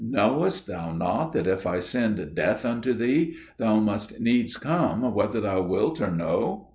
Knowest thou not that if I send Death unto thee, thou must needs come whether thou wilt or no?'"